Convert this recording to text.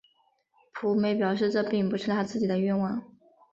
晋美表示这并不是他自己的愿望。